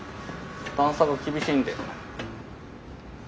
段差が厳しいんで。